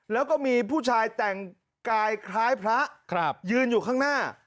แล้วก็มีผู้ชายแต่งกายคล้ายพระยืนอยู่ข้างหน้า